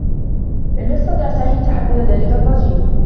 لم يستطع سامي تحمّل ذلك الضّجيج.